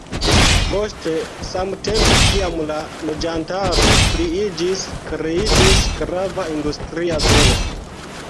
Poste, samtempe kiam la loĝantaro pliiĝis, kreiĝis grava industria zono.